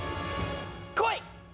こい！